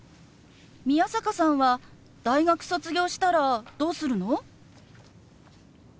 宮坂さんは大学卒業したらどうするの？